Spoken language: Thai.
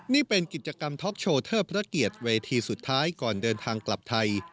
นี่เป็นกิจกรรมท็อกโชว์เทิดพระเกียรติเวทีสุดท้ายก่อนเดินทางกลับไทย